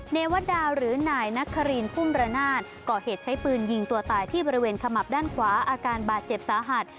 เนวัตดาหรือนายนครินพุ่มระนาดก่อเหตุใช้ปืนยิงตัวตายที่บริเวณขมับด้านขวาอาการบาดเจ็บสาหัส